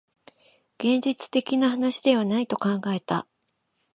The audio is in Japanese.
現実的な話ではないと考えた